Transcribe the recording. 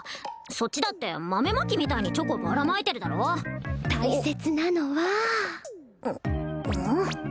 そっちだって豆まきみたいにチョコばらまいてるだろ大切なのはうん？